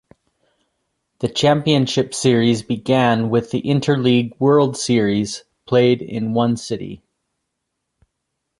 The championship series began with the interleague 'World Series' played in one city.